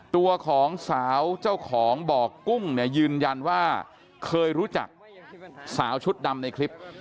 ตัวของสาวเจ้าของบ่อกุ้งเนี่ยยืนยันว่าเคยรู้จักสาวชุดดำในคลิป